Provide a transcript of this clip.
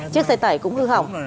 chiếc xe tải cũng hư hỏng